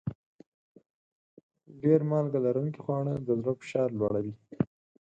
ډېر مالګه لرونکي خواړه د زړه فشار لوړوي.